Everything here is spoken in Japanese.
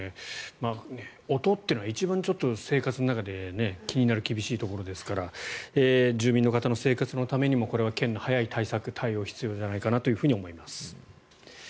音っていうのは一番、生活の中で気になる厳しいところですから住民の方の生活のためにもこれは県の早い対策、対応が必要じゃないかなと思います。